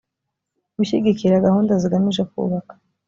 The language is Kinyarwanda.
gushyigikira gahunda zigamije kubaka